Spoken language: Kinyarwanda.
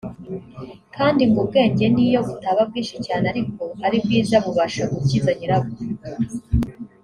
kandi ngo ubwenge niyo butaba bwinshi cyane ariko ari bwiza bubasha gukiza nyirabwo